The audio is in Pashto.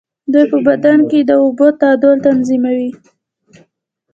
دوی په بدن کې د اوبو تعادل تنظیموي.